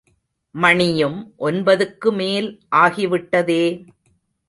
மணியும் ஒன்பதுக்குமேல் ஆகி விட்டதே!